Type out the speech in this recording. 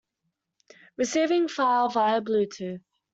Receiving file via blue tooth.